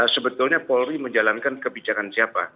sebetulnya polri menjalankan kebijakan siapa